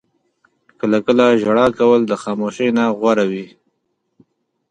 • کله کله ژړا کول د خاموشۍ نه غوره وي.